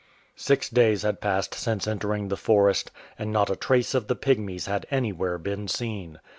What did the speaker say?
Six days had passed since entering the forest, and not a trace of the Pygmies had anywhere been seen.